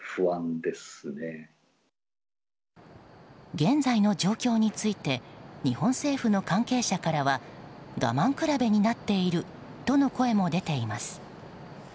現在の状況について日本政府の関係者からは我慢比べになっているとの声も出ています。